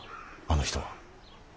あの人は。